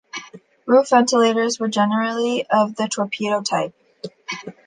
Roof ventilators were generally of the torpedo type.